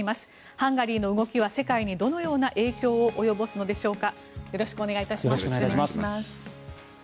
ハンガリーの動きは世界にどのような影響を及ぼすのでしょうか。